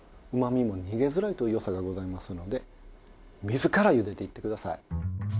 うまみも逃げづらいという良さがございますので水からゆでていってください。